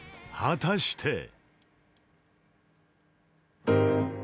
果たして？］